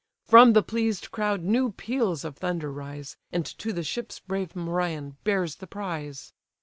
From the pleased crowd new peals of thunder rise, And to the ships brave Merion bears the prize.